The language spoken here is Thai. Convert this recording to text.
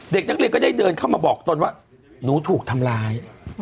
เด็กนักเรียนก็ได้เดินเข้ามาบอกตนว่าหนูถูกทำร้าย